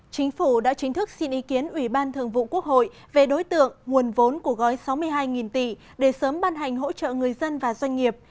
chính phủ đã chính thức xin ý kiến ủy ban thường vụ quốc hội về đối tượng nguồn vốn của gói sáu mươi hai tỷ để sớm ban hành hỗ trợ người dân và doanh nghiệp